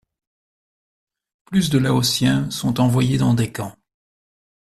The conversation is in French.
Plus de laotiens sont envoyés dans des camps.